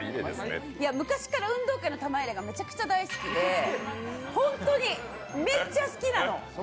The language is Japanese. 昔から運動会の玉入れがめちゃくちゃ大好きでホントに、めっちゃ好きなの！